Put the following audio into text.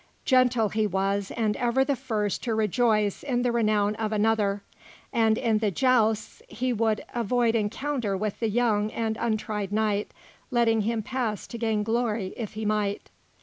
Gentle he was and ever the first to rejoice in the renown of another; and in the jousts, he would avoid encounter with the young and untried knight, letting him pass to gain glory if he might.